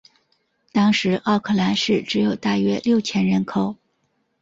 当时奥克兰市只有大约六千人口。